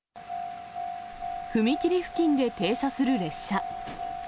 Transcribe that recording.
踏切付近で停車する列車。